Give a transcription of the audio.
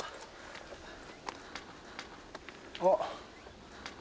あっ。